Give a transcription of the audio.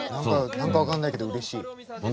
何か分かんないけどうれしい。